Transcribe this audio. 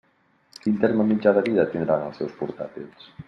Quin terme mitjà de vida tindran els seus portàtils?